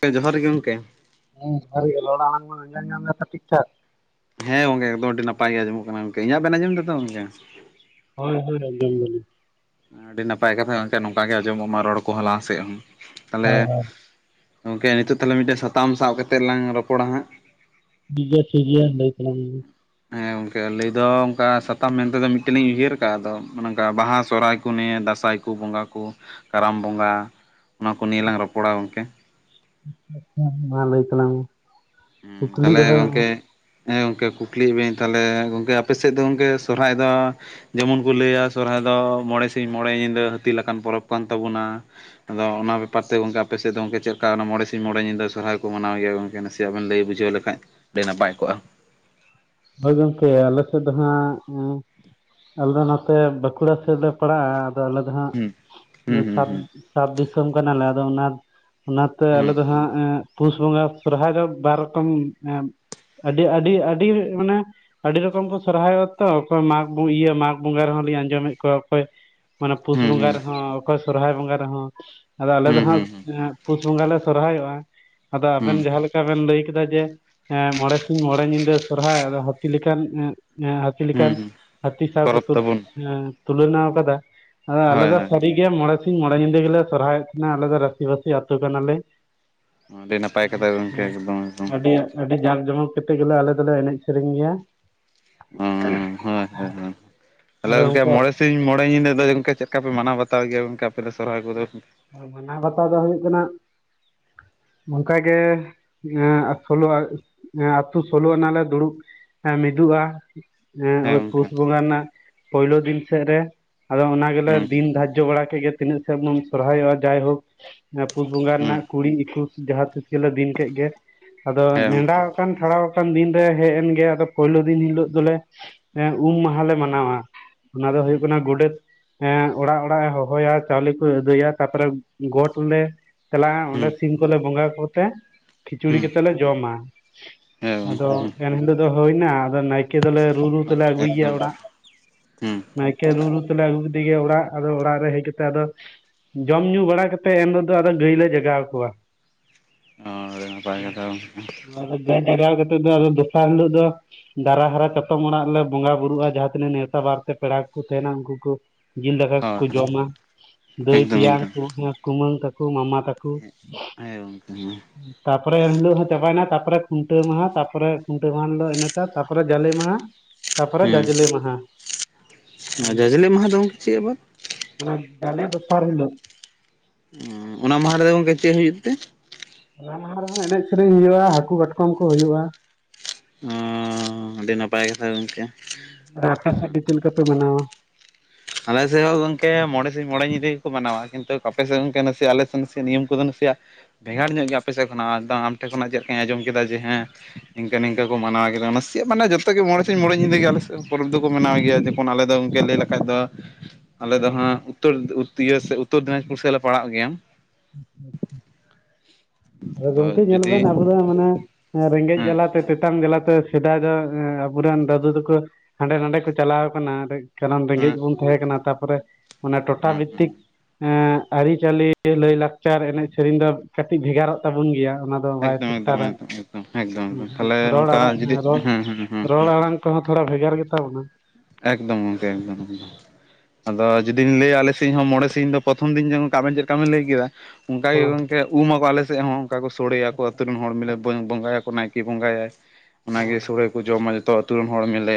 ᱜᱚᱢᱠᱮ ᱡᱚᱦᱟᱨ ᱜᱮ ᱜᱚᱢᱠᱮ ᱦᱮᱸ ᱡᱚᱦᱟᱨ ᱜᱮ [unintelligible] ᱴᱷᱤᱠ ᱴᱷᱟᱠ ᱦᱮᱸ ᱜᱚᱢᱠᱮ ᱮᱠᱫᱚᱢ ᱟᱹᱰᱤ ᱱᱟᱯᱟᱭ ᱜᱮ ᱟᱸᱡᱚᱢᱚᱜ ᱠᱟᱱᱟ ᱜᱚᱢᱠᱮ ᱤᱧᱟᱹᱜ ᱵᱮᱱ ᱟᱸᱡᱚᱢ ᱫᱟᱛᱚ ᱜᱚᱢᱠᱮ᱾ ᱦᱳᱭ ᱦᱳᱭ ᱟᱡᱚᱢ ᱫᱟᱹᱞᱤᱧ᱾ ᱟᱹᱰᱤ ᱱᱟᱯᱟᱭ ᱠᱟᱛᱷᱟ ᱜᱚᱢᱠᱮ ᱱᱚᱝᱠᱟᱜᱮ ᱟᱸᱡᱚᱢᱚᱜ ᱢᱟ ᱨᱚᱲ ᱠᱚ ᱦᱚ ᱞᱟᱦᱟ ᱥᱮᱜ ᱦᱚᱸ ᱛᱟᱦᱚᱞᱮ᱾ ᱦᱳᱭ ᱦᱳᱭ ᱜᱚᱢᱠᱮ ᱱᱤᱛᱳᱜ ᱛᱟᱦᱚᱞᱮ ᱢᱤᱫᱴᱮᱡ ᱥᱟᱛᱟᱢ ᱥᱟᱵ ᱠᱟᱛᱮᱜ ᱞᱟᱝ ᱨᱚᱯᱚᱲᱟ ᱦᱟᱸᱜ᱾ ᱴᱷᱤᱠ ᱜᱮᱭᱟ ᱴᱷᱤᱠ ᱜᱮᱭᱟ ᱞᱟᱹᱭ ᱛᱟᱞᱟᱝ ᱢᱮ᱾ ᱦᱮᱸ ᱜᱚᱢᱠᱮ ᱞᱟᱹᱭ ᱫᱚ ᱚᱝᱠᱟ ᱥᱟᱛᱟᱢ ᱢᱮᱱᱛᱮᱫᱚ ᱢᱤᱫᱴᱮᱱ ᱞᱤᱧ ᱩᱭᱦᱟᱹᱨ ᱠᱟᱜᱼᱟ ᱟᱫᱚ ᱚᱱᱮ ᱚᱝᱠᱟ ᱵᱟᱦᱟ ᱥᱚᱨᱦᱟᱭ ᱠᱚ ᱱᱤᱭᱟ ᱫᱟᱸᱥᱟᱭ ᱾ ᱠᱩᱩ ᱵᱚᱸᱝᱜᱟ ᱠᱚ ᱠᱟᱨᱟᱢ ᱵᱚᱸᱝᱜᱟ ᱚᱱᱟ ᱠᱚ ᱱᱤᱭᱮᱹᱞᱟᱝ ᱨᱚᱯᱚᱲᱟ ᱜᱚᱢᱠᱮ᱾ ᱢᱟ ᱞᱟᱹᱭ ᱛᱟᱞᱟᱝ ᱢᱮ᱾ ᱦᱩᱸ ᱠᱩᱠᱞᱤ ᱛᱟᱦᱞᱮ ᱫᱚᱦᱚᱭ ᱢᱮ? ᱜᱚᱢᱠᱮ ᱦᱮᱸ ᱜᱚᱢᱠᱮ ᱠᱩᱠᱞᱤ ᱭᱮᱜ ᱢᱤᱭᱟᱹᱧ ᱛᱟᱦᱚᱞᱮ ᱾ ᱜᱚᱢᱠᱮ ᱟᱯᱮ ᱥᱮᱫ ᱫᱚ ᱜᱚᱢᱠᱮ ᱥᱚᱨᱦᱟᱭ ᱫᱚ ᱡᱮᱢᱚᱱ ᱠᱚ ᱞᱟᱹᱭ-ᱟ ᱥᱚᱨᱦᱟᱭ ᱫᱚ ᱢᱚᱬᱮ ᱥᱤᱧ ᱢᱚᱬᱮ ᱧᱤᱫᱟᱹ ᱦᱟᱹᱛᱤ ᱞᱮᱠᱟᱱ ᱯᱚᱨᱚᱵᱽ ᱠᱟᱱ ᱛᱟᱵᱳᱱᱟ᱾ ᱟᱫᱚ ᱚᱱᱟ ᱵᱮᱯᱟᱨ ᱛᱮ ᱜᱚᱢᱠᱮ ᱟᱯᱮ ᱥᱮᱫ ᱫᱚ ᱜᱚᱢᱠᱮ ᱪᱮᱜ ᱞᱮᱠᱟ ᱚᱱᱟ ᱢᱚᱬᱮ ᱥᱤᱧ ᱢᱚᱬᱮ ᱧᱤᱫᱟᱹ ᱥᱚᱨᱦᱟᱭ ᱠᱚ ᱢᱟᱱᱟᱣ ᱜᱮᱭᱟ ᱜᱚᱢᱠᱮ ᱱᱟᱥᱮ ᱛᱮ ᱵᱮᱱ ᱞᱟᱹᱭ ᱵᱩᱡᱷᱟᱹᱣ ᱞᱮᱠᱷᱟᱡ ᱟᱹᱰᱤ ᱱᱟᱯᱟᱭ ᱠᱚᱜᱼᱟ᱾ ᱦᱚᱭ ᱜᱚᱢᱠᱮ ᱟᱞᱮ ᱥᱮᱫ ᱫᱚ ᱦᱟᱸᱜ᱾ ᱟᱞᱮ ᱱᱚᱛᱮ ᱵᱟᱸᱠᱩᱲᱟ ᱥᱮᱜ ᱞᱮ ᱯᱟᱲᱟᱜ ᱟᱫᱚ ᱟᱞᱮ ᱦᱟᱸᱜ ᱦᱩᱸ ᱦᱩᱸ ᱥᱟᱛ ᱦᱩᱸ ᱥᱟᱛ ᱫᱤᱥᱚᱢ ᱠᱟᱱᱟᱞᱮ ᱟᱫᱚ ᱚᱱᱟ ᱚᱱᱟ ᱛᱮ ᱦᱩᱸ ᱟᱞᱮ ᱫᱚ ᱦᱟᱸᱜ ᱮᱸᱜ ᱯᱩᱥ ᱵᱚᱸᱜᱟ ᱥᱚᱨᱦᱟᱭ ᱫᱚ ᱵᱟᱨ ᱨᱚᱠᱚᱢ ᱟᱹᱰᱤ ᱟᱹᱰᱤ ᱟᱹᱰᱤ ᱢᱟᱱᱮ ᱟᱹᱰᱤ ᱨᱚᱠᱚᱢ ᱠᱚ ᱥᱚᱨᱦᱟᱭᱚᱜᱼᱟ ᱛᱚ ᱚᱠᱚᱭ ᱢᱟᱜᱽ ᱤᱭᱟᱹ ᱢᱟᱜᱽ ᱵᱚᱸᱜᱟ ᱨᱮᱦᱚᱸ ᱞᱤᱧ ᱟᱸᱡᱚᱢᱮᱫ ᱠᱚᱣᱟ ᱚᱠᱚᱭ- ᱢᱟᱱᱮ ᱯᱩᱥ ᱦᱩᱸ ᱦᱩᱸ ᱵᱚᱸᱝᱜᱟ ᱨᱮᱦᱚᱸ ᱚᱠᱚᱭ ᱥᱚᱨᱦᱟᱭ ᱵᱚᱸᱝᱜᱟ ᱨᱮᱦᱚᱸ ᱟᱫᱚ ᱟᱞᱮ ᱫᱚ ᱦᱩᱸ ᱦᱟᱸᱜ ᱦᱩᱸ ᱦᱩᱸ ᱦᱩᱸ ᱮᱸᱜ ᱯᱩᱥ ᱵᱚᱸᱝᱜᱟ ᱞᱮ ᱥᱚᱨᱦᱟᱭᱚᱜᱼᱟ ᱾ ᱟᱫᱚ ᱦᱩᱸ ᱟᱵᱮᱱ ᱡᱟᱦᱟᱸ ᱞᱮᱠ ᱠᱟ ᱵᱮᱱ ᱞᱟᱹᱭ ᱠᱮᱫᱟ ᱡᱮ ᱮ ᱢᱚᱬᱮ ᱥᱤᱧ ᱢᱚᱬᱮ ᱧᱤᱫᱟᱹ ᱥᱚᱨᱦᱟᱭ ᱟᱫᱚ ᱦᱟᱹᱛᱤ ᱞᱮᱠᱟᱱ [unintelligible] ᱛᱤ ᱦᱩᱸ ᱞᱮᱠᱟᱱ ᱦᱩᱸ ᱦᱟᱹᱛᱤ ᱥᱟᱶ ᱠᱚ ᱯᱚᱨᱚᱵᱽ ᱛᱩ ᱛᱟᱵᱚᱱ ᱛᱩᱞᱚᱱᱟᱣ ᱠᱟᱫᱟ ᱦᱳᱭ ᱟᱞᱮᱫᱚ ᱦᱳᱭ ᱰᱷᱤᱠ ᱜᱤᱭᱟ ᱢᱚᱬᱮ ᱥᱤᱧ ᱢᱚᱬᱮ ᱧᱤᱫᱟᱹ ᱜᱮᱞᱮ ᱥᱚᱨᱦᱟᱭᱚᱜ ᱛᱟᱦᱮᱱᱟ ᱟᱞᱮ ᱫᱚ ᱨᱟᱹᱥᱤ ᱵᱟᱹᱥᱤ ᱟᱹᱛᱳ ᱠᱟᱱᱟᱞᱮ᱾ ᱟᱹᱰᱤ ᱱᱟᱯᱟᱭ ᱠᱟᱛᱷᱟ ᱜᱚᱝᱠᱮ ᱮᱠᱫᱚᱢ ᱮᱠᱫᱚᱢ ᱟᱹᱰᱤ᱾ ᱟᱹᱰᱤ ᱡᱟᱸᱠ ᱡᱚᱢᱚᱠ ᱠᱮᱛᱮᱜ ᱜᱮᱞᱮ ᱟᱞᱮ ᱫᱚᱞᱮ ᱮᱱᱮᱡ ᱥᱮᱨᱮᱧ ᱜᱮᱭᱟ᱾ ᱦᱳᱭ ᱦᱳᱭ ᱾ ᱛᱟᱦᱚᱞᱮ ᱟᱫᱚ ᱜᱚᱢᱠᱮ ᱜᱚᱝᱠᱮ ᱢᱚᱬᱮ ᱥᱤᱧ ᱢᱚᱬᱮ ᱧᱤᱫᱟᱹ ᱫᱚ ᱜᱚᱢᱠᱮ ᱪᱮᱫ ᱠᱟ ᱯᱮ ᱢᱟᱱᱟᱣ ᱵᱟᱛᱟᱣ ᱜᱮᱭᱟ ᱜᱚᱢᱠᱮ ᱟᱯᱮ ᱫᱚ ᱥᱚᱨᱦᱟᱭ ᱠᱚᱫᱚ᱾ ᱢᱟᱱᱟᱣ ᱵᱟᱛᱟᱣ ᱫᱚ ᱦᱩᱭᱩᱜ ᱠᱟᱱᱟ᱾ ᱚᱱᱠᱟ ᱜᱮ ᱮᱸᱜ ᱟᱜ ᱥᱳᱞᱳ ᱾ ᱟᱛᱳ ᱥᱳᱞᱳ ᱟᱱᱟᱞᱮ ᱫᱩᱲᱩᱵ ᱦᱮᱸ ᱢᱤᱫᱚᱜᱼᱟ ᱾ ᱳᱭ ᱦᱮᱸ ᱜᱚᱝᱠᱮ ᱯᱩᱥ ᱵᱚᱸᱜᱟ ᱨᱮᱱᱟᱜ ᱯᱳᱭᱞᱳ ᱫᱤᱱ ᱥᱮᱫ ᱨᱮ ᱟᱫᱚ ᱚᱱᱟ ᱜᱮᱞᱮ ᱦᱩᱸ ᱫᱤᱱ ᱫᱷᱟᱨᱡᱚ ᱵᱟᱲᱟ ᱠᱮᱜ ᱜᱮ ᱛᱤᱱᱟᱹᱜ ᱥᱮᱜ ᱵᱚᱱ ᱥᱚᱨᱦᱟᱭᱚᱜᱼᱟ ᱾ ᱡᱟᱭᱦᱳᱠ ᱯᱩᱥ ᱵᱚᱸᱝᱜᱟ ᱦᱩᱸ ᱨᱮᱱᱟᱜ ᱠᱩᱲᱤ ᱤᱠᱩᱥ ᱡᱟᱦᱟᱸ ᱛᱤᱥ ᱜᱮᱞᱮ ᱫᱤᱱ ᱠᱮᱜᱼᱜᱮ ᱟᱫᱚ ᱦᱮᱸ ᱜᱚᱝᱠᱮ ᱱᱮᱰᱟ ᱴᱷᱟᱲᱟᱣ ᱟᱠᱟᱱ ᱫᱤᱱ ᱨᱮ ᱦᱮᱡ ᱮᱱ ᱜᱮ ᱟᱫᱚ ᱯᱳᱭᱞᱳ ᱫᱤᱱ ᱦᱤᱞᱳᱜ ᱫᱚᱞᱮ ᱮ ᱩᱢ ᱢᱟᱦᱟ ᱞᱮ ᱢᱟᱱᱟᱣ-ᱟ᱾ ᱚᱱᱟ ᱫᱚ ᱦᱳᱭᱩᱜ ᱠᱟᱱᱟ ᱜᱳᱰᱮᱛ ᱮᱜ ᱚᱲᱟᱜ ᱚᱲᱟᱜ ᱮ ᱦᱚᱦᱚᱭᱟ᱾ ᱪᱟᱣᱞᱮ ᱠᱚ ᱟᱹᱫᱟᱹᱭᱟ ᱛᱟᱨ ᱯᱚᱨᱮ ᱜᱚᱴ ᱞᱮ ᱪᱟᱞᱟᱜᱼᱟ ᱦᱩᱸ ᱚᱸᱰᱮ ᱥᱤᱢ ᱠᱚᱞᱮ ᱵᱚᱸᱜᱟ ᱠᱚᱛᱮ- ᱦᱩᱸ ᱠᱷᱤᱪᱩᱲᱤ ᱦᱩᱸ ᱠᱮᱛᱮᱜ ᱞᱮ ᱡᱚᱢ ᱢᱟ ᱦᱮᱸ ᱟᱫᱚ ᱜᱚᱝᱠᱮ ᱮᱱᱦᱤᱞᱳᱜ ᱫᱚ ᱦᱩᱭᱱᱟ ᱟᱫᱚ ᱱᱟᱭᱠ- ᱠᱮ ᱫᱚᱞᱮ ᱨᱩ ᱨᱩ ᱦᱩᱸ ᱛᱮᱞᱮ ᱟᱹᱜᱩᱭ ᱜᱮᱭᱟ ᱮᱠᱫᱚᱢ ᱚᱲᱟᱜ᱾ ᱦᱩᱸ ᱱᱟᱭᱠᱮ ᱨᱩ ᱨᱩ ᱛᱮᱞᱮ ᱟᱹᱜᱩ ᱠᱮᱫᱤ ᱜᱮ ᱚᱲᱟ ᱟᱫᱚ ᱚᱲᱟᱜ ᱨᱮ ᱦᱮᱡ ᱠᱮ- ᱛᱮ ᱟᱫᱚ ᱡᱚᱢ ᱧᱩ ᱵᱟᱲᱟ ᱠᱮᱛᱮᱜ ᱮᱱ ᱦᱤᱞᱚᱜ ᱫᱚ ᱟᱫᱚ ᱜᱟᱹᱭ ᱞᱮ ᱡᱟᱜᱟᱣ ᱠᱚᱣᱟ᱾ [inaudible] ᱚ ᱟᱹᱰᱤ ᱱᱟᱯᱟᱭ ᱠᱟᱛᱷᱟ ᱜᱚᱝᱠᱮ᱾ [unintelligible] ᱟᱫᱚ ᱜᱟᱹᱭ ᱡᱟᱜᱟᱣ ᱠᱮᱛᱮᱜ ᱫᱚ ᱟᱫᱚ ᱫᱚᱥᱟᱨ ᱦᱤᱞᱚᱜ ᱫᱚ- ᱫᱟᱨᱟ ᱦᱟᱨᱟ ᱪᱟᱛᱚᱢ ᱚᱲᱟᱜ ᱞᱮ ᱵᱚᱸᱝᱜᱟ ᱵᱩᱨᱩᱜᱼᱟ ᱡᱟᱦᱟᱸ ᱛᱤᱱᱟᱹᱜ ᱱᱮᱣᱛᱟ ᱵᱟᱨ ᱛᱮ ᱯᱮᱲᱟ ᱠᱚᱠᱚ ᱛᱟᱦᱮᱱᱟ ᱩᱱᱠᱩ ᱠᱚ᱾ ᱡᱤᱞ ᱫᱟᱠᱟ ᱦᱳᱭ ᱠᱚ ᱡᱚᱢ ᱢᱟ᱾ ᱫᱟᱹᱭ ᱮᱠᱫᱚᱢ ᱛᱮᱭᱟᱝ ᱮᱠᱫᱚᱢ ᱠᱩ ᱦᱮᱸ ᱠᱩᱢᱟᱹᱝ ᱛᱟᱠᱩ ᱢᱟᱢᱟ ᱛᱟᱠᱩ᱾ ᱦᱮᱸ ᱜᱚᱝᱠᱮ ᱦᱮᱸ ᱛᱟ ᱯᱚᱨᱮ ᱮᱱᱦᱤᱞᱳᱜ ᱦᱚᱸ ᱪᱟᱵᱟᱭ ᱱᱟ ᱛᱟ ᱯᱚᱨᱮ ᱠᱷᱩᱱᱴᱟᱹᱣ ᱢᱟᱦᱟ ᱛᱟ ᱯᱚᱨᱮ ᱠᱷᱩᱱᱴᱟᱹ ᱢᱟᱦᱟ [unintelligible] ᱢᱮᱱᱫᱚ ᱮᱱᱟᱛᱟ ᱛᱟ ᱯᱚᱨᱮ ᱡᱟᱞᱮ ᱢᱟᱦᱟ᱾ ᱛᱟᱨ ᱯᱚᱨᱮ ᱡᱟᱡᱽᱞᱮ ᱦᱩᱸ ᱢᱟᱦᱟ᱾ ᱟᱨ ᱡᱟᱡᱽᱞᱮ ᱢᱟᱦᱟ ᱫᱚ ᱜᱚᱝᱠᱮ ᱪᱮᱫ ᱟᱵᱟᱨ? ᱚᱱᱟ ᱡᱟᱞᱮ ᱫᱚᱥᱟᱨ ᱦᱤᱞᱳᱜ᱾ ᱚ ᱚᱱᱟ ᱢᱟᱦᱟ ᱨᱮᱫᱚ ᱜᱚᱝᱠᱮ ᱪᱮᱜ ᱦᱩᱭᱩᱜ ᱛᱮ᱾ ᱚᱱᱟ ᱞᱟᱦᱟ ᱨᱮᱦᱚᱸ ᱮᱱᱮᱡ ᱥᱮᱨᱮᱧ ᱦᱩᱭᱩᱜᱼᱟ ᱦᱟᱹᱠᱩ ᱠᱟᱴᱠᱚᱢ ᱠᱚ ᱦᱩᱭᱩᱜᱼᱟ ᱚ ᱟᱹᱰᱤ ᱱᱟᱯᱟᱭ ᱠᱟᱛᱷᱟ ᱜᱚᱢᱠᱮ ᱨᱟᱛᱟ ᱥᱟ ᱫᱤᱯᱤᱞ ᱠᱟᱛᱮ ᱢᱟᱱᱟᱣᱟ ᱟᱞᱮ ᱥᱮᱫ ᱦᱚᱸ ᱜᱚᱝᱠᱮ ᱢᱚᱬᱮ ᱥᱤᱧ ᱢᱚᱬᱮ ᱧᱤᱫᱟᱹ ᱜᱮ ᱠᱚ ᱢᱟᱱᱟᱣᱟ ᱠᱤᱱᱛᱩ ᱟᱯᱮ ᱥᱮᱫ ᱜᱚᱝᱠᱮ ᱱᱟᱥᱮᱭᱟᱜ ᱟᱞᱮ ᱥᱮᱫ ᱱᱟᱥᱮᱭᱟᱜ ᱱᱤᱭᱚᱢ ᱠᱚᱫᱚ ᱱᱟᱥᱮᱭᱟᱜ ᱵᱷᱮᱜᱟᱲ ᱧᱚᱜ ᱜᱮᱭᱟ ᱟᱯᱮ ᱥᱮᱫ ᱠᱷᱱᱟᱜ ᱟᱢ ᱴᱷᱮᱱ ᱠᱷᱱᱟᱜ ᱪᱮᱫᱞ ᱞᱮᱠᱟᱧᱸᱡᱚᱢ ᱠᱮᱫᱟᱮ ᱦᱮᱸ ᱱᱤᱝᱠᱟ ᱱᱤᱝᱠᱟ ᱠᱚ ᱢᱟᱱᱟᱣ ᱠᱮᱫᱟ ᱚᱱᱟᱥᱤᱭᱟᱜ ᱢᱟᱱᱮ ᱡᱚᱛᱚᱜ ᱜᱮ ᱢᱚᱬᱮ ᱥᱤᱧ ᱢᱚᱬᱮ ᱧᱤᱫᱟᱹ ᱜᱮ ᱟᱞᱮᱮᱫ ᱯᱚᱨᱚᱵᱽ ᱫᱚᱠᱚ ᱢᱟᱱᱟᱣ ᱜᱮᱭᱟ ᱚᱱ ᱟᱞᱮ ᱫᱚ ᱠ ᱞᱟᱹᱭ ᱞᱮᱠᱷᱟᱡ ᱫᱚ ᱟᱞᱮ ᱫᱚ ᱦᱟᱸᱜ ᱩᱛᱛᱚᱨ ᱩᱛᱛᱚᱨ ᱫᱤᱱᱟᱡᱯᱩᱨ ᱥᱮᱫᱞ ᱞᱮ ᱯᱟᱲᱟᱜ ᱜᱮᱭᱟ [inaudible] [inaudible] ᱟᱫᱚ ᱜᱚᱝᱠᱮ ᱧᱮᱞ ᱵᱮᱱ ᱟᱵᱚ ᱨᱮᱱ- ᱢᱟᱱᱮ ᱨᱮᱸᱜᱮᱡ ᱦᱮᱸ ᱡᱟᱞᱟ ᱛᱮ ᱛᱮᱛᱟᱝ ᱡᱟᱞᱟ ᱛᱮ ᱥᱮᱫᱟᱭ ᱫᱚ ᱟᱵᱚᱨᱮᱱ ᱫᱟᱹᱫᱩ ᱛᱟᱠᱚ ᱦᱟᱸᱰᱮ ᱱᱟᱰᱮ ᱠᱚ ᱪᱟᱞᱟᱣ ᱠᱟᱱᱟ ᱥᱱᱟᱢ ᱨᱮᱸᱜᱮᱡ ᱦᱮᱸ ᱵᱚᱱ ᱛᱟᱦᱮᱸ ᱠᱟᱱᱟ ᱛᱟᱨᱯᱚᱨᱮ ᱢᱟᱱᱮ ᱴᱚᱴᱷᱟ ᱦᱮᱸ ᱦᱮᱸ ᱵᱷᱤᱛᱛᱤᱠ ᱟᱹᱨᱤᱪᱟᱹᱞᱤ ᱞᱟᱹᱭ ᱞᱟᱠᱪᱟᱨ ᱮᱱᱮᱡ ᱥᱮᱨᱮᱧ ᱫᱚ ᱠᱟᱹᱴᱤᱡ ᱵᱷᱮᱜᱟᱨᱚᱜ ᱛᱟᱵᱚᱱ ᱜᱮᱭᱟ ᱚᱱᱟ ᱵ ᱮᱠᱫᱚᱢ ᱮᱠᱫᱚᱢ ᱮᱠᱫᱚᱢ ᱮᱠᱫᱚᱢ ᱮᱠᱫᱚᱢ ᱮᱠᱫᱚᱢ ᱛᱟᱦᱚᱞᱮ ᱚᱱᱠᱟ ᱡᱩᱫᱤ ᱦᱮᱸ ᱦᱮᱸ ᱦᱮᱸ ᱥᱤᱚᱲ ᱟᱲᱟᱝ [inaudible] [inaudible] ᱛᱟᱹᱣ ᱦᱚᱸ ᱛᱷᱚᱲᱟ ᱵᱷᱮᱜᱟᱨ ᱜᱮᱛᱟ ᱵᱚᱱᱟ ᱮᱠᱫᱚᱢ ᱜᱚᱢᱠᱮ ᱮᱠᱫᱚᱢ ᱮᱠᱫᱚᱢ ᱟᱫᱚ ᱡᱩᱫᱤᱧ ᱞᱟᱹᱭᱟ ᱟᱞᱮ ᱥᱮᱫ ᱦᱚᱸ ᱢᱚᱬᱮ ᱥᱤᱧ ᱤ ᱫᱚ ᱯᱨᱚᱛᱷᱚᱢ ᱫᱤᱱ ᱟᱵᱮᱱ ᱪᱮᱫ ᱞᱮᱠᱟᱠᱟ ᱵᱮᱱ ᱞᱟᱹᱭ ᱠᱮᱫᱟ ᱚᱱᱠᱟ ᱜᱮ ᱦᱚᱸ ᱜᱚᱝᱠᱮ ᱩᱢᱟᱠᱚ ᱟᱞᱮᱥᱮᱫ ᱦᱚᱸ ᱚᱱᱠᱟ ᱠᱚ ᱥᱚᱲᱮ ᱭᱟᱠᱚ ᱟᱛᱩᱨ ᱨᱮᱱ ᱦᱚᱲ ᱦᱚᱲ ᱢᱞᱮ ᱵᱚᱸᱜᱟ ᱭᱟᱠᱚ ᱱᱟᱭᱠᱮ ᱵᱚᱸᱜᱟᱭᱟᱭ ᱚᱱᱟᱜᱮ ᱦᱚᱸ ᱥᱳᱚᱲᱮ ᱠᱚ ᱡᱚᱢᱟ ᱡᱚᱛᱚ ᱟᱛᱳ ᱨᱮᱱ ᱦᱚᱲᱢᱤᱞᱮ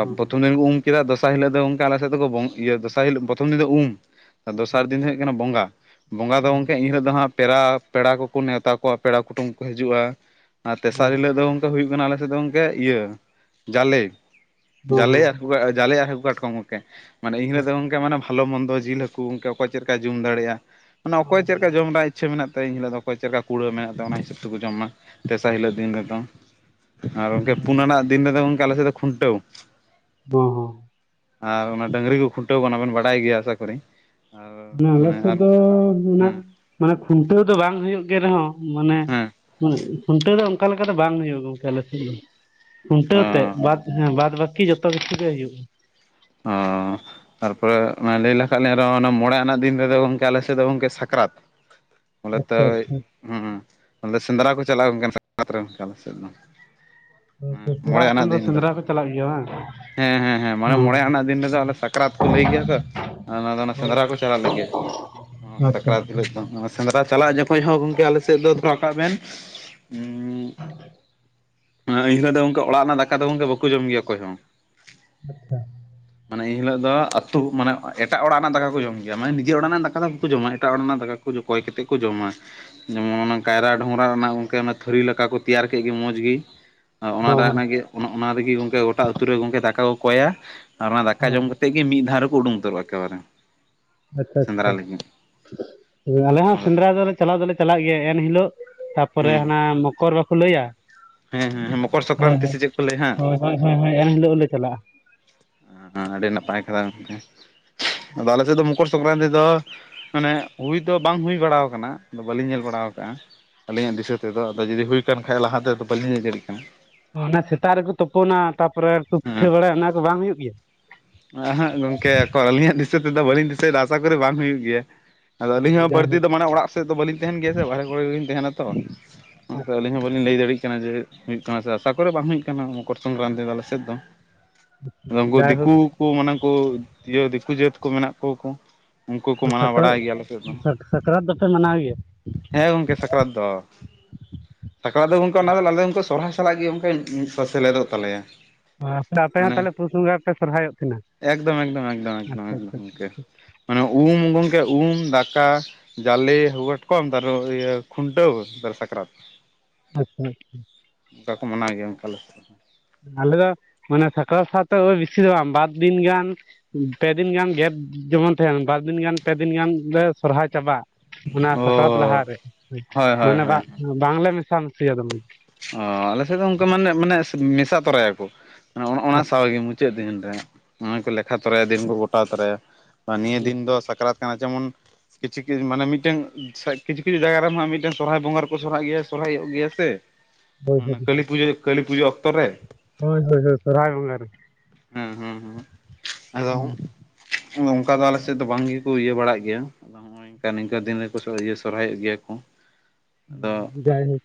ᱦᱚᱸ ᱯᱨᱚᱛᱷᱚᱢ ᱫᱤᱱ ᱠᱚ ᱩᱢ ᱠᱮᱫᱟ ᱫᱚᱥᱟᱨ ᱦᱤᱞᱳᱜ ᱫᱚ ᱟᱞᱮ ᱥᱮᱫ ᱫᱚᱠᱚ ᱫᱚᱥᱟᱨ ᱦᱤᱞᱳᱜ ᱯᱨᱚᱛᱷᱚᱢ ᱫᱤᱱ ᱫᱚ ᱩᱢ ᱫᱚᱥᱟᱨ ᱦᱚᱸ ᱫᱤᱱ ᱫᱚ ᱦᱩᱭᱩᱜ ᱠᱟᱱᱟ ᱵᱚᱸᱜᱟ ᱵᱚᱸᱜᱟ ᱫᱚ ᱜᱚᱢᱠᱮ ᱮᱱᱦᱤᱞᱳ ᱫᱚ ᱦᱟᱸᱜ ᱯᱮᱲᱟ ᱯᱮᱲᱟ ᱠᱚᱠᱚ ᱱᱮᱣᱛᱟ ᱠᱚᱣᱟ ᱯᱮᱲᱟ ᱠᱩᱴᱩᱢ ᱠᱚ ᱦᱤᱡᱩᱜᱼᱟ ᱟᱨ ᱛᱮᱥᱟᱨ ᱦᱚᱸ ᱦᱤᱞᱟᱹᱜ ᱫᱚ ᱦᱩᱭᱩᱜ ᱠᱟᱱᱟ ᱟᱞᱮᱥᱮᱫ ᱫᱚ ᱜᱚᱢᱠᱮ ᱤᱭᱟᱹ ᱡᱟᱞᱮ ᱦᱚᱸ ᱦᱚᱸ ᱡᱟᱞᱮ ᱟᱨ ᱦᱟᱹᱠᱩ ᱡᱟᱞᱮᱭᱟᱜ ᱦᱟᱹᱠᱩ ᱠᱟᱴᱠᱚᱢ ᱜᱚᱢᱠᱮ ᱢᱟᱱᱮ ᱮᱱ ᱦᱤᱞᱳᱜ ᱫᱚ ᱜᱚᱝᱠᱮ ᱢᱟᱱᱮ ᱵᱷᱟᱞᱚ ᱢᱚᱱᱫᱚ ᱡᱤᱞ ᱦᱟᱹᱠᱩᱠ ᱚᱠᱚᱭ ᱪᱮᱫᱞᱠᱟᱭ ᱡᱚᱢ ᱫᱟᱲᱮᱭᱟᱜᱼᱟ ᱢᱟᱱᱮ ᱚᱭ ᱦᱚᱸ ᱪᱮᱫᱞᱮᱠᱟ ᱡᱚᱢ ᱫᱟᱲᱮᱭᱟᱜ-ᱟ ᱤᱪᱷᱟᱹ ᱢᱮᱱᱟᱜ ᱛᱟᱭᱟ ᱮᱱᱦᱤᱞᱳᱜ ᱫᱚ ᱚᱠᱚᱭ ᱪᱮᱫ ᱞᱮᱠᱟ ᱠᱩᱲᱟᱹᱣ ᱢᱮᱱᱟᱜ ᱛᱟᱭᱟ ᱚᱱᱟ ᱦᱤᱥᱟᱹᱵᱽ ᱛᱮᱠᱚ ᱡᱚᱢ ᱢᱟ ᱫᱥᱟᱨ ᱦᱤᱞᱳᱜ ᱫᱤᱱ ᱨᱮᱫᱚ ᱟᱨ ᱜᱚᱝᱠᱮ ᱦᱚᱸ ᱯᱩᱱᱟ ᱨᱮᱱᱟᱜ ᱫᱤᱱ ᱨᱮ ᱫᱚ ᱜᱚᱝᱠᱮ ᱟᱞᱮ ᱥᱮᱫ ᱫᱚ ᱠᱷᱩᱱᱴᱟᱹᱣ ᱵ [inaudible] ᱦᱚᱸ ᱟᱨ ᱚᱱᱟ ᱰᱟᱹᱝᱨᱤ ᱠᱚ ᱠᱷᱩᱱᱴᱟᱹᱣ ᱠᱚᱣᱟᱱ ᱚᱱᱟ ᱵᱮᱱ ᱵᱟᱰᱟᱭ ᱜᱮᱭᱟ ᱟᱥᱟ ᱠᱚᱨᱮᱤ ᱢᱟᱱ ᱟᱞᱮᱥᱮᱫ ᱫᱚ ᱢᱮ ᱦᱮᱸ ᱢᱟᱱᱮ ᱠᱷᱩᱱᱴᱟᱹᱣ ᱫᱚ ᱵᱟᱝ ᱦᱩᱭᱩᱜ ᱜᱮ ᱨᱮᱦᱚᱸ ᱢᱟᱱᱮ ᱦᱮᱸ ᱠᱷᱩᱱᱴᱟᱹᱣ ᱫᱚ ᱚᱱᱠᱟ ᱞᱮᱠᱟᱛᱮ ᱵᱟᱝ ᱦᱩᱭᱩᱜᱼᱟ ᱜᱚᱝᱠᱮ ᱟᱞᱮᱥᱮᱫ ᱫᱚ ᱚ ᱠᱷᱩᱱᱴᱟᱹᱣ ᱛᱮ ᱵᱟᱫᱽ ᱦᱮᱸ ᱵᱟᱫᱽ ᱵᱟᱟᱹᱠᱤ ᱡᱚᱛᱚ ᱠᱤᱪᱷᱩ ᱜᱮ ᱦᱩᱭᱩᱜᱼᱟ ᱚᱸ ᱛᱟᱨᱯᱚᱨᱮ ᱞᱟᱹᱭ ᱞᱮᱠᱷᱟᱱ ᱞᱮᱤᱧ ᱨᱮᱦᱚᱸ ᱚᱱᱟ ᱢᱚᱬᱮ ᱟᱱᱟᱜ ᱫᱤᱱ ᱨᱮᱫᱚ ᱜᱚᱝᱠᱮ ᱟᱞᱮᱥᱮᱫ ᱫᱚ ᱜᱚᱝᱠᱮ ᱥᱟᱠᱨᱟᱛ [inaudible] ᱟᱪᱪᱷᱟ ᱟᱪᱪᱷᱟ ᱦᱮ ᱥᱮᱸᱫᱽᱨᱟ ᱠᱚ ᱪᱟᱞᱟᱜᱼᱟ ᱠᱟᱱᱟᱛᱚ ᱟᱞᱮ ᱥᱮᱫ ᱫᱚ ᱠᱚᱲᱟ ᱢᱚᱬᱮ ᱟᱱᱟᱜ ᱦᱚᱯᱚᱱ ᱫᱤᱱ ᱫᱚ ᱥᱮᱸᱫᱽᱨᱟ ᱠᱚ ᱪᱟᱞᱟᱜ ᱜᱮᱭᱟ ᱵᱟᱝ ᱦᱮᱸ ᱦᱮᱸ ᱢᱟᱱᱮ ᱦᱚᱸ ᱢᱚᱬᱮ ᱟᱱᱟᱜ ᱫᱤᱱ ᱨᱮᱫᱚ ᱚᱱᱮ ᱥᱟᱠᱨᱟᱛ ᱠᱚ ᱞᱟᱹᱭ ᱜᱮᱭᱟ ᱛᱚ ᱟᱨ ᱚᱱᱟ ᱫᱚ ᱦᱳᱭ ᱥᱮᱸᱫᱽᱨᱟ ᱠᱚ ᱦᱳᱭ ᱪᱟᱞᱟᱜ ᱞᱟᱹᱜᱤᱫ ᱟᱪᱪᱷᱟ ᱥᱟᱠᱨᱟᱛ ᱟᱪᱪᱷᱟ ᱦᱤᱞᱳᱜ ᱫᱚ ᱥᱮᱸᱫᱽᱨᱟ ᱪᱟᱞᱟᱜ ᱡᱚᱠᱷᱚᱱ ᱦᱚᱸ ᱜᱚᱝᱠᱮ ᱟᱞᱮ ᱥᱮᱫ ᱫᱚ ᱫᱚᱦᱚ ᱠᱟᱜ ᱵᱮᱱ ᱮ ᱮᱱᱤᱞᱳ ᱫᱚ ᱚᱲᱟᱜ ᱨᱮᱱᱟᱜ ᱫᱟᱠᱟ ᱫᱚ ᱜᱚᱢᱠᱮ ᱵᱟᱠᱚ ᱡᱚᱢ ᱜᱮᱭᱟ ᱚᱠᱚᱭ ᱦᱚᱸ ᱟᱪᱪᱷᱟ ᱢᱟᱱᱮ ᱮᱱᱦᱤᱞᱳᱜ ᱫᱚ ᱟᱹᱛᱩ ᱢᱟᱱᱮ ᱮᱴᱟᱜ ᱚᱲᱟᱜ ᱨᱮᱱᱟᱜ ᱫᱟᱠᱟ ᱠᱚ ᱡᱚᱢ ᱜᱮᱭᱟ ᱢᱟᱱᱮ ᱱᱤᱡᱮᱨ ᱚᱲᱟᱜ ᱨᱮᱱᱟᱜ ᱫᱟᱠᱟ ᱫᱚ ᱵᱟᱠᱚ ᱡᱚᱢᱟ ᱮᱴᱟᱜ ᱚᱲᱟᱜ ᱨᱮᱱᱟᱜ ᱫᱟᱠᱟ ᱠᱚ ᱠᱚᱭ ᱠᱟᱛᱮᱫ ᱠᱚ ᱡᱚᱢᱟ ᱡᱮᱢᱚᱱ ᱚᱱᱟ ᱠᱟᱭᱨᱟ ᱰᱚᱝᱨᱟ ᱨᱮᱱᱟᱜ ᱚᱱᱠᱟ ᱛᱷᱟᱹᱨᱤ ᱞᱮᱠᱟ ᱠᱚ ᱛᱮᱭᱟᱨ ᱠᱮᱫ ᱜᱮ ᱢᱚᱸᱡᱽ ᱜᱮ ᱚᱱᱟ ᱚ ᱚᱱᱟᱜᱮ ᱚᱱᱟ ᱨᱮᱜᱮ ᱜᱚᱝᱠᱮ ᱜᱚᱴᱟ ᱟᱹᱛᱩ ᱨᱮ ᱜᱚᱝᱠᱮ ᱫᱟᱠᱟ ᱠᱚ ᱠᱚᱭᱟ ᱟᱨ ᱚᱱᱟ ᱫᱟᱠᱟ ᱚ ᱡᱚᱢ ᱠᱟᱛᱮ ᱜᱮ ᱢᱤᱫ ᱫᱷᱟᱣ ᱨᱮᱠᱚ ᱩᱰᱩᱝ ᱩᱛᱟᱹᱨᱚᱜ ᱟᱠᱚ ᱮᱠᱮ ᱵᱟᱨᱮ ᱟᱪᱪᱷᱟ ᱟᱪᱪᱷᱟ ᱟᱞᱮ ᱦᱚᱸ ᱦᱩᱸ ᱥᱮᱸᱫᱽᱨᱟ ᱫᱚ ᱞᱮ ᱪᱟᱞᱟᱣ ᱫᱚᱞᱮ ᱪᱟᱞᱟᱜ ᱜᱮᱭᱟ ᱮᱱᱦᱤᱞᱳᱜ ᱛᱟᱨᱯᱚᱨᱮ ᱦᱮᱸ ᱦᱟᱱᱟ ᱢᱚᱠᱚᱨ ᱵᱟᱠᱚ ᱞᱟᱹᱭᱟ ᱦᱮᱸ ᱦᱮᱸ ᱢᱚᱠᱚᱨ ᱦᱳᱭ ᱥᱚᱠᱨᱟᱱᱛᱤ ᱦᱳᱭ ᱥᱮ ᱪᱮᱫ ᱠᱚ ᱞᱟᱹᱭ ᱦᱟᱸᱜ ᱦᱳᱭ ᱦᱳᱭ ᱦᱳᱭ ᱮᱱᱤᱞᱳᱜ ᱞᱮ ᱪᱟᱞᱟᱜᱼᱟ ᱟᱹᱰᱤ ᱱᱟᱯᱟᱭ ᱠᱟᱛᱷᱟ ᱜᱚᱢᱠᱮ ᱟᱫᱚ ᱟᱞᱮ ᱥᱮᱫ ᱫᱚ ᱢᱚᱠᱚᱨ ᱥᱚᱝᱠᱨᱟᱱᱛᱤ ᱫᱚ ᱢᱟᱱᱮ ᱦᱩᱭ ᱫᱚ ᱵᱟᱝ ᱦᱩᱭ ᱵᱟᱲᱟᱣ ᱠᱟᱱᱟ ᱟᱫᱚ ᱵᱟᱹᱞᱤᱧ ᱧᱮᱞ ᱵᱟᱲᱟ ᱠᱟᱜᱼᱟ ᱟᱹᱞᱤᱧᱟᱜ ᱫᱤᱥᱟᱹ ᱛᱮᱫᱚ ᱟᱫᱚ ᱡᱩᱫᱤ ᱦᱩᱭᱠᱟᱱ ᱠᱷᱟᱸᱡ ᱞᱟᱦᱟᱛᱮᱫ ᱵᱟᱹᱞᱤᱧ ᱞᱟᱹᱭ ᱫᱟᱲᱮᱭᱟᱜ ᱠᱟᱱᱟ ᱚᱱᱟ ᱥᱮᱛᱟᱜ ᱨᱮᱠᱚ ᱛᱩᱯᱚᱱᱟ ᱛᱟᱯᱚᱨᱮ ᱠᱚ ᱯᱤᱴᱷᱟᱹ ᱵᱟᱲᱟᱭᱟ ᱚᱱᱟ ᱠᱚ ᱵᱟᱝ ᱦᱩᱭᱩᱜ ᱜᱮᱭᱟ ᱮᱦᱟᱸᱜ ᱜᱚᱢᱠᱮ ᱚᱠᱚᱨ ᱟᱹᱞᱤᱧᱟᱜ ᱫᱤᱥᱟᱹ ᱛᱮᱫᱚ ᱵᱟᱹᱞᱤᱧ ᱫᱤᱥᱟᱹᱭᱮᱫᱟ ᱟᱥᱟ ᱠᱚᱨᱮ ᱵᱟᱝ ᱦᱩᱭᱩᱜ ᱜᱮᱭᱟ ᱟᱫᱚ ᱟᱹᱞᱤᱧ ᱦᱚᱸ ᱵᱟᱹᱲᱛᱤ ᱡᱟᱭᱦᱳᱠ ᱫᱚ ᱢᱟᱱᱮ ᱚᱲᱟᱜ ᱥᱮᱫ ᱫᱚ ᱵᱟᱹᱞᱤᱧ ᱛᱟᱦᱮᱱ ᱜᱮᱭᱟ ᱥᱮ ᱵᱟᱦᱨᱮ ᱠᱚᱨᱮ ᱜᱮᱞᱤᱧ ᱛᱟᱦᱮᱱᱟ ᱛᱚ ᱟᱪᱪᱷᱟ ᱟᱹᱞᱤᱧ ᱦᱚᱸ ᱵᱟᱞᱤᱧ ᱞᱟᱹᱭ ᱫᱟᱲᱭᱟᱜ ᱠᱟᱱᱟ ᱡᱮ ᱦᱩᱭᱩᱜ ᱠᱟᱱᱟ ᱥᱮ ᱟᱥᱟ ᱠᱚᱨᱮ ᱵᱟᱝ ᱦᱩᱭᱩᱜ ᱠᱟᱱᱟ ᱢᱚᱠᱚᱨ ᱥᱚᱝᱠᱨᱟᱱᱛᱤᱮ ᱯᱟᱞᱮ ᱥᱮᱫ ᱫᱚ ᱟᱫᱚ ᱩᱱᱠᱩ ᱫᱤᱠᱩ ᱡᱟᱭᱦᱳᱠ ᱩᱱᱠᱩ ᱢᱟᱱᱮ ᱠᱚ ᱤᱭᱟᱹ ᱫᱤᱠᱩ ᱡᱟᱹᱛ ᱠᱚ ᱢᱮᱱᱟᱜ ᱠᱚᱣᱟ ᱠᱚ ᱩᱱᱠᱩ ᱠᱚ ᱢᱟᱱᱟᱣ ᱥᱟᱠᱨᱟᱛ ᱵᱟᱲᱟᱭ ᱜᱮᱭᱟ ᱟᱞᱮ ᱥᱮᱫ ᱫᱚ ᱥᱟᱠᱨᱟᱛ ᱫᱚᱯᱮ ᱢᱟᱱᱟᱣ ᱜᱮᱭᱟ? ᱦᱮᱸ ᱜᱚᱢᱠᱮ ᱥᱟᱠᱨᱟᱛ ᱫᱚ ᱥᱟᱠᱨᱟᱛ ᱫᱚ ᱜᱚᱢᱠᱟ ᱚᱱᱟ ᱫᱚ ᱟᱞᱮ ᱫᱚ ᱩᱱ ᱥᱚᱨᱦᱟᱭ ᱥᱟᱞᱟᱜ ᱜᱮ ᱚᱱᱠᱟ ᱥᱮᱞᱮᱫᱚᱜ ᱛᱟᱞᱮᱭᱟ [unintelligible] ᱢᱟᱱᱮ ᱯᱩᱥ ᱵᱚᱸᱜᱟ ᱯᱮ ᱥᱚᱨᱦᱟᱭᱚᱜ ᱛᱟᱦᱮᱱᱟ? ᱮᱠᱫᱚᱢ ᱮᱠᱫᱚᱢ ᱮᱠᱫᱚᱢ ᱮᱠᱫᱚᱢ ᱟᱪᱪᱷᱟ ᱮᱠᱫᱚᱢ ᱟᱪᱪᱷᱟ ᱜᱚᱝᱠᱮ ᱢᱟᱱᱮ ᱩᱢ ᱜᱚᱢᱠᱮ ᱩᱢ ᱫᱟᱠᱟ ᱡᱟᱞᱤ ᱦᱟᱠᱟᱴᱠᱚᱢ ᱛᱟᱨ ᱤᱭᱟᱹ ᱠᱷᱩᱱᱴᱟᱹᱣ ᱛᱟᱨ ᱥᱟᱠᱨᱟᱛ ᱟᱪᱪᱷᱟ ᱟᱪᱪᱷᱟ ᱚᱱᱠᱟ ᱠᱚ ᱢᱟᱱᱟᱣ ᱜᱮᱭᱟ ᱜᱚᱝᱠᱮ ᱟᱞᱮ ᱥᱮᱫ ᱦᱚᱸ ᱟᱞᱮ ᱫᱚ ᱢᱟᱱᱮ ᱥᱟᱠᱨᱟᱛ ᱥᱟᱶᱛᱮ ᱵᱮᱥᱤ ᱫᱚ ᱵᱟᱝ ᱵᱟᱨ ᱫᱤᱱ ᱜᱟᱱ ᱯᱮ ᱫᱤᱱ ᱜᱟᱱ ᱜᱮᱫ ᱡᱮᱢᱚᱱ ᱛᱟᱦᱮᱱ ᱵᱟᱨ ᱫᱤᱱ ᱜᱟᱱ ᱯᱮ ᱫᱤᱱ ᱜᱟᱱ ᱞᱮ ᱥᱚᱨᱦᱟᱭ ᱪᱟᱵᱟᱜ ᱚᱱᱟ ᱥᱟᱠᱨᱟᱛ ᱚ ᱞᱟᱦᱟᱨᱮ ᱦᱳᱭ ᱦᱳᱭ ᱢᱟᱱᱮ ᱦᱳᱭ ᱵᱟᱜ ᱵᱟᱝᱞᱮ ᱢᱮᱥᱟ ᱢᱮᱥᱤᱭᱟ ᱚ ᱟᱞᱮ ᱥᱮᱫ ᱫᱚ ᱚᱱᱠᱟ ᱢᱟᱱᱮ ᱢᱟᱱᱮ ᱢᱮᱥᱟ ᱛᱚᱨᱟᱭᱟᱠᱚ ᱚᱱᱟ ᱟᱪᱪᱷᱟ ᱥᱟᱶᱜᱮ ᱪᱮᱫ ᱫᱤᱱ ᱨᱮ ᱱᱚᱜᱚᱭ ᱠᱚ ᱞᱮᱠᱷᱟ ᱛᱚᱨᱟᱭᱟ ᱫᱤᱱ ᱠᱚ ᱜᱚᱴᱟ ᱛᱚᱨᱟᱭᱟ ᱱᱤᱭᱟᱹ ᱫᱤᱱ ᱫᱚ ᱥᱟᱠᱨᱟᱛ ᱠᱟᱱᱟ ᱡᱮᱢᱚᱱ ᱠᱤᱪᱷᱩ ᱢᱟᱱᱮ ᱢᱤᱫᱴᱟᱝ ᱠᱤᱪᱷᱩ ᱠᱤᱪᱷᱩ ᱡᱟᱭᱜᱟ ᱨᱮ ᱢᱟ ᱦᱟᱜ ᱥᱚᱨᱦᱟᱭ ᱵᱚᱸᱜᱟ ᱨᱮᱠᱚ ᱥᱚᱨᱦᱟᱭᱚᱜ ᱜᱮᱭᱟ ᱥᱚᱨᱦᱟᱭᱚᱜ ᱜᱮᱭᱟ ᱥᱮ ᱦᱳᱭ ᱠᱟᱹᱞᱤ ᱯᱩᱡᱟᱹ ᱠᱟᱞᱤ ᱯᱩᱡᱟᱹ ᱚᱠᱛᱚ ᱨᱮ ᱦᱳᱭ ᱦᱳᱭ ᱦᱳᱭ ᱥᱚᱦᱨᱟᱭ ᱵᱚᱸᱜᱟ ᱨᱮ ᱦᱮᱸ ᱦᱮᱸ ᱦᱮᱸ ᱟᱫᱚ ᱚᱱᱠᱟ ᱫᱚ ᱟᱞᱮ ᱥᱮᱫ ᱫᱚ ᱵᱟᱝ ᱜᱮᱠᱚ ᱤᱭᱟᱹ ᱵᱟᱲᱟᱜ ᱜᱮᱭᱟ ᱱᱚᱜᱝᱠᱟ ᱱᱤᱝᱠᱟ ᱫᱤᱱ ᱨᱮᱠᱚ ᱤᱭᱟᱹ ᱥᱚᱨᱦᱟᱭᱚᱜ ᱜᱮᱭᱟ ᱠᱚ ᱟᱫᱚ ᱡᱟᱭ ᱦᱳᱜ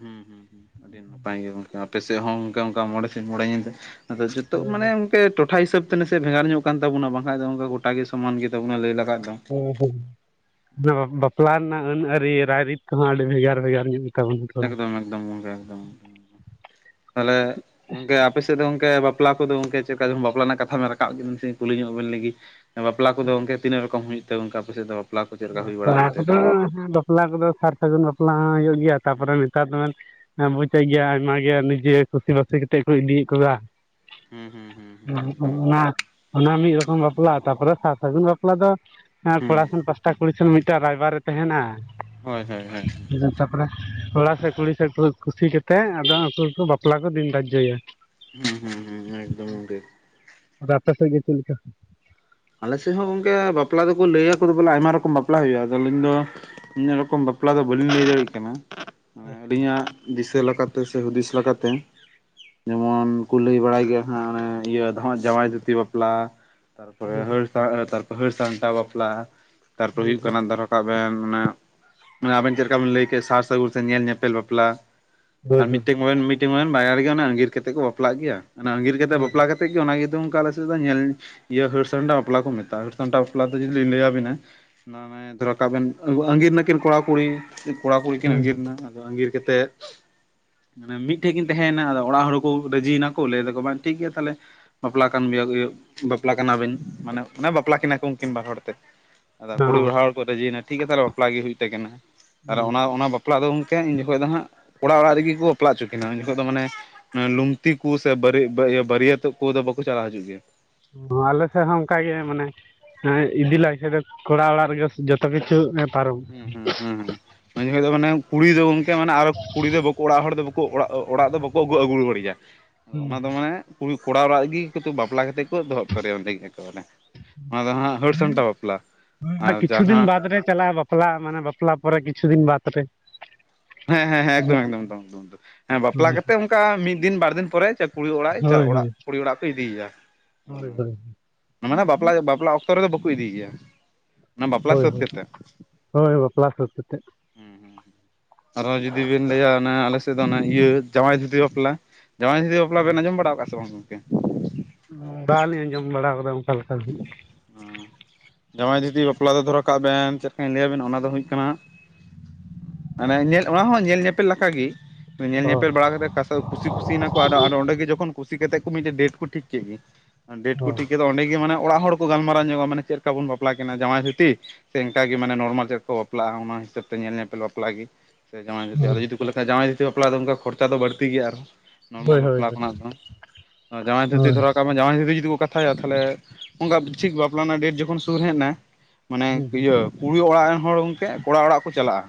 ᱦᱩᱸ ᱦᱩᱸ ᱟᱹᱰᱤ ᱱᱟᱯᱟᱭ ᱜᱮ ᱜᱚᱝᱠᱮ ᱟᱯᱮ ᱥᱮᱫ ᱦᱚᱸ ᱚᱱᱠᱟ ᱚᱱᱠᱟ ᱢᱚᱬᱮ ᱥᱤᱧ ᱢᱚᱬᱮ ᱧᱤᱫᱟᱹ ᱟᱫᱚ ᱡᱚᱛᱚ ᱦᱳᱭ ᱢᱟᱱᱮ ᱦᱳᱭ ᱮ ᱴᱚᱴᱷᱟ ᱦᱤᱥᱟᱹᱵᱛᱮ ᱱᱟᱥᱮ ᱵᱷᱮᱜᱟᱨ ᱧᱚᱜ ᱠᱟᱱ ᱛᱵᱚᱱᱟ ᱵᱟᱝᱠᱷᱟᱱ ᱫᱚ ᱚᱱᱠᱟ ᱜᱚᱴᱟ ᱜᱮ ᱥᱚᱢᱟᱱ ᱜᱮᱛᱟᱵᱚᱱᱟ ᱞᱟᱹᱭ ᱞᱮᱠᱷᱟᱡ ᱫᱚ ᱚᱸ ᱦᱮ ᱵᱟ ᱵᱟᱯᱞᱟ ᱨᱮᱱᱟᱜ ᱟᱹᱱ ᱟᱹᱨᱤ ᱨᱟᱭᱼᱨᱤᱛ ᱠᱚᱦᱚᱸ ᱟᱹᱰᱤ ᱵᱷᱮᱜᱟᱨ ᱵᱷᱮᱜᱟᱨ ᱧᱚᱜ ᱜᱮᱛᱟᱵᱚᱱᱟ ᱮᱠᱫᱚᱢ ᱮᱠᱫᱚᱢ ᱜᱚᱝᱠᱮ ᱮᱠᱫᱚᱢ᱾ ᱛᱟᱦᱚᱞᱮ ᱜᱚᱝᱠᱮ ᱟᱯᱮ ᱥᱮᱫ ᱫᱚ ᱜᱚᱝᱠᱮ ᱵᱟᱯ ᱯᱞᱟ ᱠᱚᱫᱚ ᱜᱚᱝᱠᱮ ᱪᱮᱫᱞᱮᱠᱟ ᱵᱟᱯᱞᱟ ᱨᱮᱱᱟᱜ ᱠᱟᱛᱷᱟ ᱵᱮᱱ ᱨᱟᱠᱟᱵ ᱠᱮᱫ ᱵᱤᱱ ᱱᱟᱥᱮ ᱱᱟᱜ ᱠᱩᱞᱤ ᱧᱚᱜ ᱵᱮᱱ ᱞᱮᱜᱤ ᱵᱟᱯᱞᱟ ᱠᱚᱫᱚ ᱜᱚᱝᱠᱮ ᱛᱤᱱᱟᱹᱜ ᱨᱚᱠᱚᱢ ᱦᱩᱭᱩᱜ ᱛᱮ ᱜᱚᱝᱠᱮ ᱟᱯᱮᱥᱮᱫ ᱫᱚ? ᱵᱟᱯᱞᱟ ᱠᱚ ᱪᱮᱫ ᱞᱮᱠᱟ ᱦᱩᱭ ᱵᱟᱯᱞᱟ ᱵᱟᱲᱟᱜ ᱜᱮᱛᱮ ᱠᱚ ᱫᱚ ᱦᱚᱸ ᱵᱟᱯᱞᱟ ᱠᱚᱫᱚ ᱥᱟᱨ ᱥᱟᱹᱜᱩᱱ ᱵᱟᱯᱞᱟ ᱦᱚᱸ ᱦᱩᱭᱩᱜ ᱜᱮᱭᱟ ᱛᱟᱨᱯᱚᱨᱮ ᱦᱩᱸ ᱱᱮᱛᱟᱨ ᱫᱚ ᱚᱱᱟ ᱮᱫ ᱜᱮᱭᱟ ᱟᱭᱢᱟ ᱜᱮ ᱱᱤᱡᱮ ᱜᱮ ᱠᱩᱥᱤ ᱵᱟᱹᱥᱤ ᱠᱟᱛᱮᱫ ᱠᱚ ᱤᱫᱤᱭᱮᱫ ᱠᱚᱣᱟ᱾ ᱦᱩᱸ ᱦᱩᱸ ᱦᱩᱸ ᱦᱩᱸ ᱮᱠᱫᱚᱢ ᱮᱠᱫᱚᱢ ᱚᱱᱟ ᱚᱱᱟ ᱢᱤᱫ ᱨᱚᱠᱚᱢ ᱵᱟᱯᱞᱟ ᱛᱟᱨᱯᱚᱨᱮ ᱥᱟᱨ ᱥᱟᱹᱜᱩᱱ ᱵᱟᱯ ᱯᱞᱟ ᱫᱚ ᱠᱚᱲᱟ ᱦᱩᱸ ᱥᱮᱱ ᱯᱟᱥᱴᱟ ᱠᱩᱲᱤ ᱥᱮᱱ ᱢᱤᱫᱴᱟᱝ ᱨᱟᱭᱵᱟᱨ ᱛᱟᱦᱮᱱᱟ᱾ ᱦᱳᱭ ᱦᱳᱭ ᱦᱳᱭ ᱠᱚᱲᱟ ᱥᱮᱫ ᱠᱩᱲᱤ ᱥᱮᱫ ᱠᱩᱥᱤ ᱠᱟᱛᱮ ᱟᱫᱚ ᱩᱱᱠᱩ ᱜᱮᱠᱚ ᱵᱟᱯᱞᱟ ᱠᱚ ᱫᱤᱱ ᱫᱟᱡᱽᱡᱚᱭᱟ᱾ ᱦᱩᱸ ᱦᱩᱸ ᱦᱩᱸ ᱮᱠᱫᱚᱢ ᱚᱸᱰᱮ ᱟᱯᱮ ᱥᱮᱫ ᱜᱮ ᱪᱮᱫ ᱞᱮᱠᱟ? ᱟᱞᱮ ᱥᱮᱫ ᱦᱚᱸ ᱜᱚᱝᱠᱮ ᱵᱟᱯᱞᱟ ᱫᱚᱠᱚ ᱞᱟᱹᱭᱟᱠᱚ ᱵᱚᱞᱮ ᱟᱭᱢᱟ ᱨᱚᱠᱚᱢ ᱵᱟᱯᱞᱟ ᱦᱩᱭᱩᱜᱼᱟ᱾ ᱟᱫᱚ ᱟᱹᱞᱤᱧ ᱫᱚ ᱛᱤᱱᱟᱹᱜ ᱨᱚᱠᱚᱢ ᱵᱟᱯᱞᱟ ᱫᱚ ᱵᱟᱹᱞᱤᱧ ᱞᱟᱹᱭ ᱫᱟᱲᱮᱭᱟᱜ ᱠᱟᱱᱟ, ᱟᱹᱞᱤᱧᱟᱜ ᱫᱤᱥᱟᱹ ᱞᱮᱠᱟᱛᱮ ᱥᱮ ᱦᱩᱫᱤᱥ ᱞᱮᱠᱟᱛᱮ, ᱡᱮᱢᱚᱱ ᱠᱚ ᱞᱟᱹᱭ ᱵᱟᱲᱟᱭ ᱜᱮᱭᱟ ᱦᱟᱸᱜ ᱚᱱᱮ ᱤᱭᱟᱹ ᱡᱟᱶᱟᱭ ᱫᱷᱩᱛᱤ ᱵᱟᱯᱞᱟ, [inaudible] ᱛᱟᱜ ᱛᱟᱯᱚᱨᱮ ᱦᱟᱹᱨ ᱥᱟᱢᱴᱟᱣ ᱵᱟᱯᱞᱟ ᱛᱟᱨᱯᱚᱨᱮ ᱦᱳᱭ ᱦᱩᱭᱩᱜ ᱠᱟᱱᱟ ᱫᱷᱚᱨᱚ ᱠᱟᱜ ᱵᱮᱱ ᱢᱟᱱᱮ, ᱟᱵᱮᱱ ᱪᱮᱫ ᱞᱮᱠᱟ ᱵᱮᱱ ᱞᱟᱹᱭ ᱠᱮᱫ ᱥᱟᱨ ᱥᱟᱹᱜᱩᱱ ᱥᱮ ᱧᱮᱞ ᱧᱮᱯᱮᱞ ᱵᱟᱯᱞᱟ, ᱟᱨ ᱦᱳᱭ ᱢᱤᱫᱴᱮᱱ ᱢᱚᱭᱮᱱ ᱢᱤᱫᱴᱮᱱ ᱢᱚᱭᱮᱱ ᱵᱟᱭᱟᱨ ᱨᱮᱜᱤ ᱚᱱᱟ ᱟᱸᱜᱤᱨ ᱠᱟᱛᱮᱫ ᱠᱚ ᱵᱟᱯᱞᱟᱜ ᱜᱮᱭᱟ ᱚᱱᱟ ᱟᱜᱤᱨ ᱠᱟᱛᱮ ᱦᱳᱭ ᱵᱟᱯᱞᱟ ᱠᱟᱛ [unintelligible] ᱥᱮᱫ ᱧᱮᱞ ᱤᱭᱟᱹ ᱥᱟᱱᱴᱟ ᱵᱟᱯᱞᱟ ᱠᱚ ᱢᱮᱛᱟᱜᱼᱟ, ᱦᱟᱹᱨᱥᱟᱢᱴᱟ ᱵᱟᱯᱞᱟ ᱡᱩᱫᱤ ᱞᱟᱹᱭᱟᱵᱤᱱᱟ, [unintelligible] ᱠᱟᱜᱵᱮᱱ ᱟᱺᱜᱤᱨ ᱱᱟᱠᱤᱱ ᱠᱚᱲᱟ ᱠᱩᱲᱤ, ᱠᱚᱲᱟ ᱠᱩᱲᱤ ᱠᱤᱱ ᱦᱳᱭ ᱟᱹᱜᱤᱨ ᱮᱱᱟ, ᱟᱫᱚ ᱟᱸᱜᱤᱨ ᱠᱟᱛᱮᱫ, ᱢᱟᱱᱮ ᱢᱤᱫᱴᱷᱮᱡ ᱠᱤᱱ ᱛᱟᱦᱮᱸᱭᱱᱟ ᱟᱫᱚ ᱚᱲᱟᱜ ᱦᱚᱲᱠᱚ ᱨᱟᱹᱡᱤᱭᱮᱱᱟ ᱠᱚ ᱞᱟᱹᱭ ᱫᱟᱠᱚ ᱵᱟᱝ ᱴᱷᱤᱠ ᱜᱮᱭᱟ ᱛᱟᱦᱞᱮ, ᱵᱟᱯᱞᱟ ᱠᱟᱱ ᱜᱮᱭᱟ, ᱵᱟᱯᱞᱟ ᱠᱟᱱᱟᱵᱤᱱ ᱢᱟᱱᱮ ᱚᱱᱮ ᱵᱟᱯᱞᱟ ᱠᱤᱱᱟᱹ ᱠᱚ ᱩᱱᱠᱤᱱ ᱵᱟᱨ ᱦᱚᱲ ᱛᱮ, ᱟᱫᱚ ᱠᱩᱲᱤ ᱦᱚᱸ ᱚᱲᱟᱜ ᱦᱚᱲ ᱨᱟᱹᱡᱤᱭᱱᱟ ᱴᱷᱤᱠ ᱜᱮᱭᱟ ᱛᱟᱦᱚᱞᱮ ᱵᱟᱯᱞᱟ ᱜᱮ ᱦᱩᱭᱩᱜ ᱛᱟᱠᱤᱱᱟ᱾ ᱛᱟᱦᱚᱞᱮ ᱚᱱᱟ ᱚᱱᱟ ᱵᱟᱯᱞᱟ ᱫᱚ ᱜᱚᱢᱠᱮ ᱩᱱᱧ ᱡᱚᱠᱷᱚᱡ ᱫᱚ ᱦᱟᱸᱜ ᱚᱲᱟᱜ ᱚᱲᱟᱜ ᱨᱮᱜᱮ ᱠᱚ ᱵᱟᱯᱞᱟ ᱦᱚᱪᱚ ᱠᱤᱱᱟ ᱩᱱ ᱡᱚᱠᱷᱚᱡ ᱫᱚ ᱢᱟᱱᱮ ᱞᱩᱝᱛᱤ ᱠᱚ ᱥᱮ ᱵᱟᱹᱜᱤᱭᱟ ᱵᱟᱹᱨᱭᱟᱹᱛᱚᱜ ᱠᱚᱫᱚ ᱵᱟᱠᱚ ᱪᱟᱞᱟᱣ ᱦᱚᱪᱚᱜ ᱜᱮᱭᱟ᱾ ᱟᱞᱮ ᱥᱮᱫ ᱦᱚᱸ ᱚᱱᱠᱟᱜ ᱜᱮ ᱢᱟᱱᱮ ᱦᱮᱸ ᱤᱫᱤ ᱞᱟᱭᱠᱷᱟᱭ ᱫᱚ ᱠᱚᱲᱟ ᱚᱲᱟᱜ ᱨᱮᱜᱮ ᱡᱚᱛᱚ ᱠᱤᱪᱷᱩ ᱚᱱᱮ ᱦᱩᱸ ᱦᱩᱸ ᱦᱩᱸ ᱦᱩᱸ ᱩᱱ ᱡᱚᱠᱷᱚᱡ ᱫᱚ ᱢᱟᱱᱮ ᱠᱩᱲᱤ ᱫᱚ ᱜᱚᱝᱠᱮ ᱢᱟᱱᱮ ᱟᱨᱚ ᱠᱩᱲᱤ ᱫᱚ ᱵᱟᱠᱚ ᱚᱲᱟᱜ ᱦᱚᱲ ᱫᱚ ᱵᱟᱹ ᱠᱩ ᱚᱲᱟᱜ ᱚᱲᱟᱜ ᱫᱚ ᱵᱟᱠᱚ ᱟᱹᱜᱩ ᱟᱹᱜᱩ ᱨᱩᱣᱟᱹᱲᱮᱭᱟ, ᱚᱱᱟ ᱫᱚ ᱢᱟᱱᱮ ᱠᱩᱲᱤ ᱠᱚᱲᱟ ᱚᱲᱟᱜ ᱨᱮᱜᱤ ᱵᱟᱯᱞᱟ ᱠᱟᱛᱮ ᱠᱚ ᱫᱚᱦᱚ ᱩᱛᱟᱹᱨᱮᱭᱟ, ᱚᱸᱰᱮ ᱢᱟᱱᱮ ᱚᱱᱟ ᱫᱚ ᱦᱟᱸᱜ ᱦᱟᱹᱨ ᱥᱟᱢᱴᱟᱣ ᱵᱟᱯᱞᱟ ᱦᱩᱸ ᱦᱩᱸ ᱟᱨ ᱠᱤᱪᱷᱩ ᱫᱤᱱ ᱡᱟᱦᱟᱸ ᱵᱟᱫᱽ ᱨᱮ ᱪᱟᱞᱟᱜᱼᱟ ᱵᱟᱯ ᱵᱟᱯᱞᱟ ᱢᱟᱱᱮ ᱵᱟᱯᱞᱟ ᱯᱚᱨᱮ ᱠᱤᱪᱩ ᱫᱤᱱ ᱵᱟᱫ ᱵᱟᱛᱨᱮ ᱦᱮᱸ ᱦᱮᱸ ᱦᱮᱸ ᱮᱠᱫᱚᱢ ᱮᱠᱫᱚᱢ ᱮᱫᱚᱢ᱾ ᱦᱮᱸ ᱵᱟᱯᱞᱟ ᱦᱳᱭ ᱠᱟᱛᱮᱜ ᱚᱱᱠᱟ ᱢᱤᱫ ᱫᱤᱱ ᱵᱟᱨ ᱫᱤᱱ ᱯᱚᱨᱮ ᱠᱩᱲᱤ ᱚᱲᱟᱜ ᱪᱟᱜ ᱦᱳᱭ ᱚᱲᱟᱜ ᱦᱳᱭ ᱠᱩᱲᱤ ᱚᱲᱟᱜ ᱠᱚ ᱤᱫᱤᱭᱮᱭᱟ᱾ ᱦᱳᱭ ᱚᱱᱟᱫᱚ ᱵᱟᱯᱞᱟ ᱫᱚ ᱵᱟᱯᱞᱟ ᱚᱠ ᱛᱚ ᱨᱮᱫᱚ ᱵᱟᱠᱚ ᱤᱫᱤᱭᱼᱭᱟ, ᱚᱱᱟ ᱵᱟᱯᱞᱟ ᱦᱳᱭ ᱥᱟᱹᱛ ᱦᱳᱭ ᱠᱟᱛᱮᱫ᱾ ᱦᱳᱭ ᱵᱟᱯᱞᱟ ᱥᱟᱫ ᱠᱟᱛᱮ᱾ ᱟᱨᱦᱚᱸ ᱡᱩᱫᱤ ᱵᱮᱱ ᱞᱟᱹᱭᱟ ᱚᱱᱟ ᱟᱞᱮ ᱥᱮᱫ ᱫᱚ ᱚᱱᱟ ᱤᱭᱟᱹ ᱡᱟᱶᱟᱭ ᱫᱷᱩᱛᱤ ᱵᱟᱯᱞᱟ ᱡᱟᱶᱟᱭ ᱫᱷᱩᱛᱤ ᱵᱟᱯᱞᱟ ᱵᱟᱯᱞᱟ ᱵᱮᱱ ᱟᱸᱢᱚᱢ ᱵᱟᱲᱟᱣᱟᱠᱜᱼᱟ ᱥᱮ ᱵᱟᱝ ᱜᱚᱝᱠᱮ? ᱵᱟᱞᱤᱧ ᱟᱸᱡᱚᱢ ᱵᱟᱲᱟᱣ ᱠᱟᱫᱟ ᱚᱱᱠᱟᱞᱮᱠᱟ ᱫᱚ ᱦᱟᱸᱜ᱾ ᱦᱚᱸ ᱡᱟᱶᱟᱭ ᱡᱩᱫᱤ ᱵᱟᱯᱞᱟ ᱫᱚ ᱫᱷᱚᱨᱟ ᱠᱟᱜ ᱵᱮᱱ ᱪᱮᱫ ᱞᱮᱠᱟᱧ ᱞᱟᱹᱭᱟᱵᱮᱱᱟ ᱚᱱᱟ ᱫᱚ ᱦᱩᱭᱩᱜ ᱠᱟᱱᱟ, ᱚᱱᱮ ᱧᱮᱞ ᱚᱱᱟ ᱦᱚᱸ ᱧᱮᱞ ᱧᱮᱯᱮᱞ ᱞᱮᱠᱟᱜᱮ ᱧᱮᱞ ᱚ ᱧᱮᱯᱮᱞ ᱵᱟᱲᱟ ᱠᱟᱛᱮ ᱠᱟᱥᱚ ᱠᱩᱥᱤ ᱠᱩᱥᱤᱭᱮᱱᱟᱠᱚ ᱟᱫᱚ ᱟᱫᱚ ᱚᱸᱰᱮᱜᱮ ᱡᱚᱠᱷᱚᱱ ᱠᱩᱥᱤ ᱠᱟᱛᱮᱫ ᱠᱚ ᱢᱤᱴᱮᱡ ᱰᱮᱴ ᱠᱚ ᱴᱷᱤᱠ ᱠᱮᱫᱜᱤ ᱵᱮᱴ ᱚ ᱠᱚ ᱴᱷᱤᱠ ᱠᱟᱛᱮ ᱚᱸᱰᱮ ᱜᱮ, ᱜᱮ ᱢᱟᱱᱮ ᱚᱲᱟᱜ ᱦᱚᱲ ᱠᱚ ᱜᱟᱞᱢᱟᱣ ᱧᱚᱜᱼᱟ, ᱢᱟᱱᱮ ᱪᱮᱜ ᱞᱮᱠᱟ ᱵᱚᱱ ᱵᱟᱯᱞᱟ ᱠᱤᱱᱟ ᱡᱟᱶᱟᱭ ᱫᱷᱩᱛᱤ᱾ ᱥᱮ ᱤᱱᱠᱟ ᱜᱮ ᱢᱟᱱᱮ ᱱᱚᱨᱢᱟᱞ ᱪᱮᱜ ᱞᱮᱠᱟ ᱠᱚ ᱵᱟᱯᱞᱟᱜᱼᱟ᱾ ᱚᱱᱟ ᱦᱤᱥᱟᱹᱵᱽ ᱛᱮ ᱧᱮᱞ ᱧᱮᱯᱮᱞ ᱵᱟᱯᱞᱟ ᱜᱮ᱾ ᱥᱮ ᱡᱟᱶᱟᱭ ᱫᱷᱩᱛᱤ ᱟᱫᱚ ᱡᱩᱫᱤ ᱠᱚ ᱞᱮᱠᱷᱟ ᱡᱟᱶᱟᱭ ᱫᱷᱩᱛᱤ ᱵᱟᱯᱞᱟ ᱫᱚ ᱚᱱᱠᱟ ᱠᱷᱚᱨᱪᱟ ᱫᱚ ᱵᱟᱹᱲᱛᱤ ᱜᱮᱭᱟ ᱟᱨᱦᱚᱸ, ᱱᱚᱨᱢᱟᱞ ᱦᱳᱭ ᱦᱳᱭ ᱵᱟᱯᱞᱟ ᱦᱳᱭ ᱠᱷᱚᱱᱟᱜ ᱫᱚ ᱡᱟᱶᱟᱭ ᱫᱷᱩᱛᱤ ᱦᱩᱸ ᱫᱷᱚᱨᱟᱣ ᱠᱟᱜ ᱢᱮ ᱡᱟᱶᱟᱭ ᱫᱷᱩᱛᱤ ᱡᱩᱫᱤ ᱠᱚ ᱠᱟᱛᱷᱟᱭᱟ ᱛᱟᱦᱚᱞᱮ, ᱚᱝᱠᱟ ᱴᱷᱤᱠ ᱵᱟᱯᱞᱟ ᱨᱮᱱᱟᱜ ᱰᱮᱴ ᱡᱚᱠᱷᱚᱱ ᱥᱩᱨ ᱦᱮᱡᱱᱟ ᱢᱟᱱᱮ ᱦᱩᱸ ᱤᱭᱟᱹ ᱠᱩᱲᱤ ᱚᱲᱟᱜ ᱨᱮᱱ ᱦᱚᱲ ᱜᱚᱢᱠᱮ ᱠᱚᱲᱟ ᱚᱲᱟᱜ ᱠᱚ ᱪᱟᱞᱟᱜᱼᱟ᱾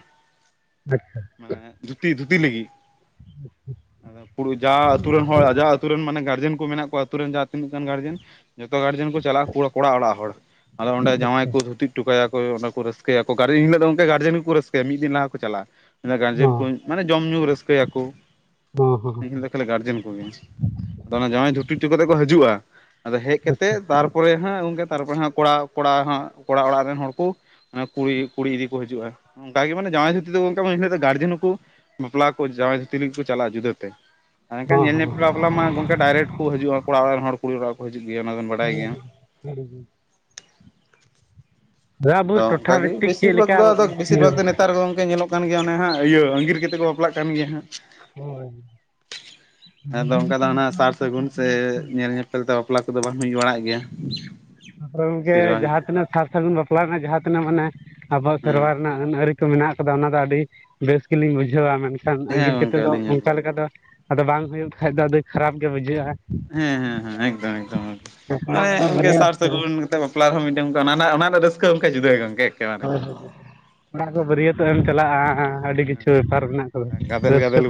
ᱟᱪᱪᱷᱟ᱾ ᱢᱟᱱᱮ ᱫᱷᱩᱛᱤ, ᱫᱷᱩᱛᱤ ᱞᱟᱹᱜᱤᱫ᱾ ᱡᱟ ᱟᱹᱛᱩ ᱨᱮᱱ ᱦᱚᱲ, ᱡᱟ ᱟᱹᱛᱩ ᱨᱮᱱ ᱢᱟᱱᱮ ᱜᱟᱨᱡᱮᱱ ᱠᱚ ᱢᱮᱱᱟᱜ ᱠᱚᱣᱟ᱾ ᱟᱛᱩ ᱨᱮᱱ ᱡᱟᱦᱟᱸ ᱛᱤᱱᱟᱹᱜ ᱜᱟᱱ ᱜᱟᱨᱡᱮᱱ ᱡᱚᱛᱚ ᱜᱟᱨᱡᱮᱱ ᱠᱚ ᱪᱟᱞᱟᱜᱼᱟ ᱠᱚᱲᱟ ᱚᱲᱟᱜ ᱦᱚᱲ᱾ ᱟᱫᱚ ᱚᱸᱰᱮ ᱡᱟᱶᱟᱭ ᱟᱪᱪᱷᱟ ᱠᱚ ᱫᱷᱩᱛᱤ ᱴᱚᱠᱟᱭᱟᱠᱚ ᱚᱸᱰᱮᱠᱚ ᱨᱟᱹᱥᱠᱟᱹᱭᱟᱠᱚ ᱜᱟᱨᱡᱮᱱ, ᱤᱱᱦᱤᱞᱚᱜ ᱫᱚ ᱜᱚᱢᱠᱮ ᱜᱟᱨᱡᱮᱱ ᱠᱚ ᱨᱟᱹᱥᱠᱟᱹᱭᱟ ᱢᱤᱜᱤᱱ ᱞᱟᱦᱟ ᱠᱚ ᱪᱟᱞᱟᱜᱼᱟ᱾ ᱚ ᱜᱟᱨᱡᱮᱱ ᱠᱚ ᱢᱟᱱᱮ ᱡᱚᱢ ᱧᱩ ᱨᱟᱹᱥᱠᱟᱹᱭᱟᱠᱚ ᱦᱚᱸ ᱦᱚᱸ ᱤᱱᱦᱤᱞᱚᱜ ᱫᱚ ᱠᱷᱟᱹᱞᱤ ᱜᱟᱨᱡᱮᱱ ᱠᱚᱜᱮ᱾ ᱟᱫᱚ ᱚᱱᱟ ᱡᱟᱶᱟᱭ ᱫᱷᱩᱛᱤ ᱴᱚ ᱠᱟᱛᱮ ᱠᱚ ᱦᱤᱡᱩᱜᱼᱟ᱾ ᱟᱫᱚ ᱦᱮᱡ ᱟᱪᱪᱷᱟ ᱛᱮᱜ ᱛᱟᱨᱯᱚᱨᱮ ᱦᱟᱹᱜ ᱜᱚᱝᱠᱮ ᱛᱟᱨᱯᱚᱨᱮ ᱦᱟᱹᱜ ᱠᱚᱲᱟ, ᱠᱚᱲᱟ ᱦᱟᱹᱜ ᱠᱚᱲᱟ ᱚᱲᱟᱜ ᱨᱮᱱ ᱦᱚᱲ ᱠᱚ ᱠᱩᱲᱤ, ᱠᱩᱲᱤ ᱤᱫᱤ ᱠᱚ ᱦᱤᱡᱩᱜᱼᱟ᱾ ᱚᱱᱠᱟ ᱜᱮ ᱢᱟᱱᱮ ᱡᱟᱶᱟᱭ ᱫᱷᱩᱛᱤ ᱫᱚ ᱜᱚᱝᱠᱮ ᱢᱟᱱᱮ ᱤᱱᱟᱦᱤᱞᱳᱜ ᱫᱚ ᱜᱟᱨᱡᱮᱱ ᱦᱚᱸ ᱠᱚ ᱵᱟᱯᱞᱟ ᱠᱚ ᱡᱟᱶᱟᱭ ᱫᱷᱩᱛᱤ ᱞᱟᱹᱜᱤᱫ ᱠᱚ ᱪᱟᱞᱟᱜᱼᱟ ᱡᱩᱫᱟᱹᱛᱮ᱾ ᱮᱱᱠᱷᱟᱱ ᱦᱚᱸ ᱧᱮᱞ ᱦᱚᱸ ᱧᱮᱯᱮᱞ ᱵᱟᱯᱞᱟ ᱢᱟ ᱜᱚᱝᱠᱮ ᱰᱟᱭᱨᱮᱠᱴ ᱠᱚ ᱦᱤᱡᱩᱜᱼᱟ᱾ ᱠᱚᱲᱟ ᱟᱲᱟᱜ ᱨᱮᱱ ᱦᱚᱲ ᱠᱩᱲᱤ ᱚᱲᱟᱜ ᱠᱚ ᱦᱤᱡᱩᱜ ᱜᱮᱭᱟ ᱚᱱᱟ ᱵᱮᱱ ᱵᱟᱲᱟᱭ ᱦᱮᱸ ᱦᱮᱸ ᱦᱮᱸ ᱦᱩ᱾ ᱟᱵᱚ ᱟᱫᱚ ᱴᱚᱴᱷᱟ ᱚᱱᱠᱟ ᱜᱮ ᱵᱷᱤᱛᱛᱤᱠ ᱵᱮᱥᱤᱨ ᱪᱮᱫ ᱵᱷᱟᱜ ᱞᱮᱠᱟ ᱫᱚ ᱵᱮᱥᱤᱨ ᱦᱳᱭ ᱵᱷᱟᱜᱽ ᱫᱚ ᱱᱮᱛᱟᱨ ᱜᱚᱝᱠᱮ ᱧᱮᱞᱚᱜ ᱠᱟᱱᱟ, ᱠᱟᱱ ᱜᱮᱭᱟ ᱚᱱᱮ ᱦᱟᱸᱜ ᱤᱭᱟᱹ ᱟᱸᱜᱤᱨ ᱠᱟᱛᱮᱜ ᱠᱚ ᱵᱟᱯᱞᱟᱜ ᱠᱟᱱ ᱜᱮᱭᱟ ᱦᱟᱸᱜ᱾ ᱦᱳᱭ᱾ ᱟᱫᱚ ᱚᱱᱠᱟ ᱫᱚ ᱚᱱᱟ ᱥᱟᱨ ᱥᱟᱹᱜᱩᱱ ᱥᱮ ᱧᱮᱞ ᱧᱮᱯᱮᱞ ᱛᱮ ᱵᱟᱯᱞᱟ ᱠᱚᱫᱚ ᱵᱟᱝ ᱦᱩᱭ ᱵᱟᱲᱟᱜ ᱜᱮᱭᱟ [unintelligible] ᱛᱯᱚᱨᱮ ᱜᱚᱝᱠᱮ ᱵᱮᱥᱤᱨ ᱵᱷᱟᱜᱽ ᱫᱚ ᱡᱟᱦᱟᱸ ᱛᱤᱱᱟᱹᱜ ᱥᱟᱨ ᱥᱟᱹᱜᱩᱱ ᱵᱟᱯᱞᱟ ᱨᱮᱱᱟᱜ ᱡᱟᱦᱟᱸ ᱛᱤᱱᱟᱹᱜ ᱢᱟᱱᱮ ᱟᱵᱚᱣᱟᱜ ᱦᱮᱸ ᱥᱮᱨᱣᱟ ᱟᱱᱟ ᱟᱹᱱ ᱟᱹᱨᱤ ᱠᱚ ᱢᱮᱱᱟᱜ ᱟᱠᱟᱫᱟ, ᱚᱱᱟ ᱫᱚ ᱟᱹᱰᱤ ᱵᱮᱥ ᱜᱮᱞᱤᱧ ᱵᱩᱡᱷᱟᱹᱣᱟ ᱾ ᱢᱮᱱᱠᱷᱟᱱ ᱦᱮᱸ ᱟᱸᱜᱤᱨ ᱠᱟᱛᱮ ᱜᱚᱝᱠᱮ ᱫᱚ ᱟᱹᱞᱤᱧ ᱦᱚᱸ ᱚᱱᱠᱟ ᱟᱹᱞᱤᱧ ᱦᱚᱸ ᱞᱮᱠᱟ ᱫᱚ ᱟᱫᱚ ᱵᱟᱝ ᱦᱩᱭᱩᱜ ᱠᱷᱟᱡ ᱫᱚ ᱟᱫᱚ ᱠᱷᱟᱨᱟᱯ ᱜᱮ ᱵᱩᱡᱷᱟᱹᱜᱼᱟ᱾ ᱦᱮᱸ ᱦᱮᱸ ᱦᱮᱸ ᱮᱠᱫᱚᱢ ᱮᱠᱫᱚᱢ ᱮᱠᱫᱚᱢ ᱠᱚᱲᱟ ᱢᱟᱱᱮ ᱠᱚᱫᱚ ᱜᱚᱝᱠᱮ ᱥᱟᱨ ᱵᱟᱹᱨᱭᱟᱹᱛ ᱥᱟᱹᱜᱩᱱ ᱛᱮ ᱵᱟᱯᱞᱟ ᱨᱮᱦᱚ ᱢᱤᱫᱴᱟᱝ ᱚᱱᱟ ᱨᱮᱱᱟᱜ ᱚᱱᱟ ᱨᱮᱱᱟᱜ ᱨᱟᱹᱥᱠᱟᱹ ᱡᱩᱫᱟᱹ ᱜᱮ ᱜᱚᱢᱠᱮ᱾ ᱦᱳᱭ ᱦᱳᱭ ᱦᱳᱭ᱾ ᱚᱱᱟ ᱠᱚ ᱵᱟᱹᱨᱭᱟᱹᱛᱚᱜ ᱮᱢ ᱪᱟᱞᱟᱜᱼᱟ, ᱟᱹᱰᱤ ᱠᱤᱪᱷᱩ ᱵᱮᱯᱟᱨ ᱢᱮᱱᱟᱜ ᱠᱟᱫᱟ ᱜᱟᱫᱮᱞ ᱨᱟᱹᱥᱠᱟᱹ ᱜᱟᱫᱮᱞ ᱛᱮ,